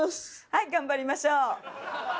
はい頑張りましょう。